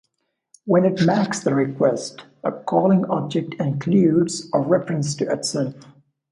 When it makes the request, the calling object includes a reference to itself.